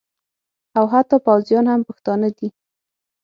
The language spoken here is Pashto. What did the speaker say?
او حتی پوځیان هم پښتانه دي